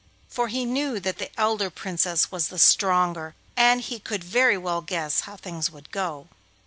For he knew that the elder Princess was the stronger, so he could very well guess how things would go.